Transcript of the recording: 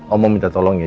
om mau minta tolong ya